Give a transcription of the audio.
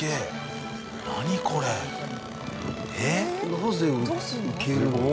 なぜ浮けるの？